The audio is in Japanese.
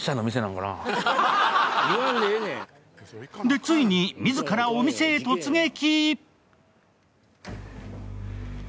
で、ついに自らお店へ突撃。